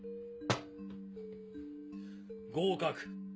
合格。